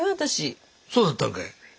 そうだったのかい。